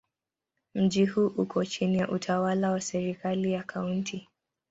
Mji huu uko chini ya utawala wa serikali ya Kaunti.